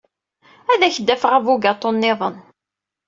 Ad ak-d-afeɣ abugaṭu niḍen.